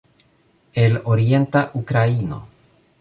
El orienta Ukraino